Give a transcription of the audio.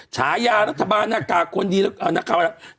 ฉายารัฐบาลนักกากควรดีนักกากควรดี